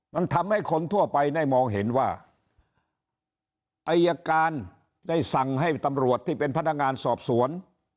มันทำให้คนทั่วไปได้มองเห็นว่าอายการได้สั่งให้ตำรวจที่เป็นพนักงานสอบสวน